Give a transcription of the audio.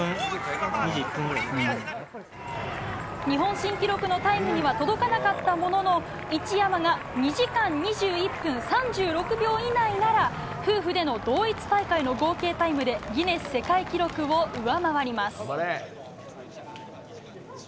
日本新記録のタイムには届かなかったものの一山が２時間２１分３６秒以内なら夫婦での同一大会の合計タイムでギネス世界記録を上回ります。